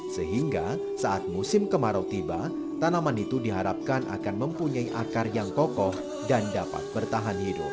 sehingga saat musim kemarau tiba tanaman itu diharapkan akan mempunyai akar yang kokoh dan dapat bertahan hidup